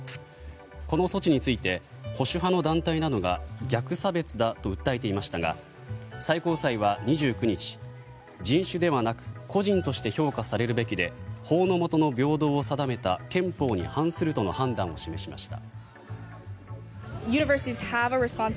この措置について保守派の団体などが逆差別だと訴えていましたが最高裁は２９日、人種ではなく個人として評価されるべきで法の下の平等を定めた憲法に反するとの判断を示しました。